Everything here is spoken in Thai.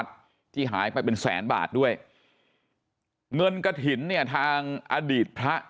ที่หายไปเป็นแสนบาทด้วยเงินกระถิ่นเนี่ยทางอดีตพระ